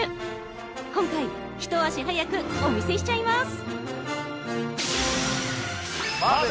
今回一足早くお見せしちゃいます